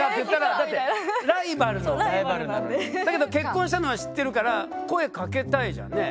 だけど結婚したのは知ってるから声掛けたいじゃんね。